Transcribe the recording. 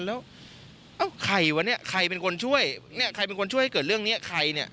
แล้วเอ้าใครวะเนี่ยใครเป็นคนช่วยเนี่ยใครเป็นคนช่วยให้เกิดเรื่องนี้ใครเนี่ย